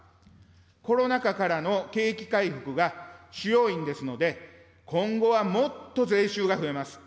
コロナ禍からの景気回復が主要因ですので、今後はもっと税収が増えます。